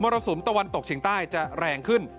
รสุมตะวันตกเฉียงใต้จะแรงขึ้น